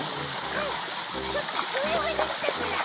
うんちょっと急用ができたから。